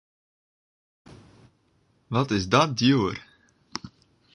Wat is dat djoer!